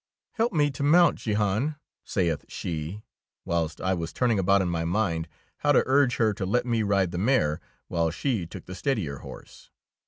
''Help me to mount, Jehan," saith 13 DEEDS OF DAKING she, whilst I was turning about in my mind how to urge her to let me ride the mare while she took the steadier horse.